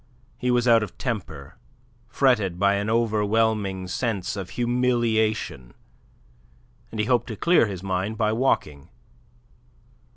He was out of temper, fretted by an overwhelming sense of humiliation, and he hoped to clear his mind by walking.